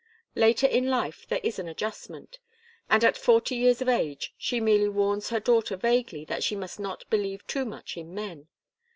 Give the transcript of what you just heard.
Later in life there is an adjustment, and at forty years of age she merely warns her daughter vaguely that she must not believe too much in men.